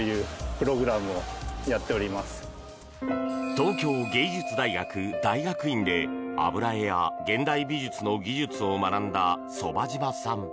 東京芸術大学大学院で油絵や現代美術の技術を学んだ傍嶋さん。